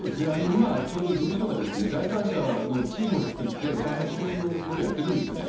今、ちょうど事務所が第三者のチームを作って再発防止のことやってるんですよね。